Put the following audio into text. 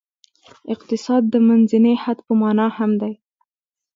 اقتصاد د منځني حد په معنا هم دی.